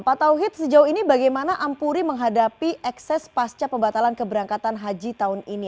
pak tauhid sejauh ini bagaimana ampuri menghadapi ekses pasca pembatalan keberangkatan haji tahun ini